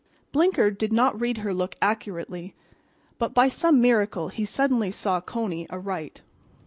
Blinker did not read her look accurately, but by some miracle he suddenly saw Coney aright.